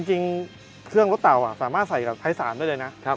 จริงเครื่องรถเต่าสามารถใส่กับไทยสารได้เลยนะ